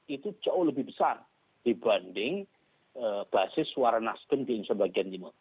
itu jauh lebih besar dibanding basis suara nasdem di indonesia bagian timur